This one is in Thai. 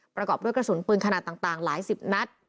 ประกอบด้วยกระสุนปืนขนาดต่างหลายสิบนัด